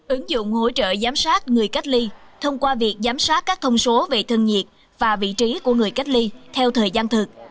ứng dụng hỗ trợ giám sát người cách ly thông qua việc giám sát các thông số về thân nhiệt và vị trí của người cách ly theo thời gian thực